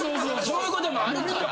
そういうこともあるから。